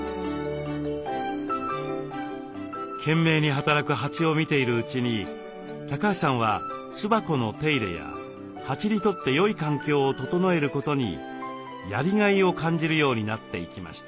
懸命に働く蜂を見ているうちに橋さんは巣箱の手入れや蜂にとってよい環境を整えることにやりがいを感じるようになっていきました。